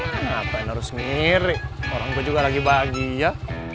kenapa harus ngiri orang gue juga lagi bahagia